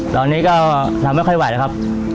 ตอนนี้ก็ทำไม่ค่อยไหวแล้วครับ